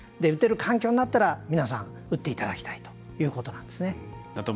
打てる環境になったら皆さん、打っていただきたいということなんですね。